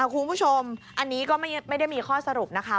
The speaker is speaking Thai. คุณผู้ชมอันนี้ก็ไม่ได้มีข้อสรุปนะคะ